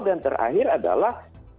dan terakhir adalah